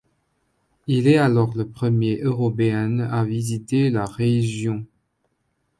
Il est alors le premier Européen à visiter la région.